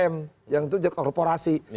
m yang itu korporasi